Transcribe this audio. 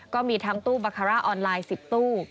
ก็มีทั้งตู้บาคาร่าออนไลน์๑๐ตู้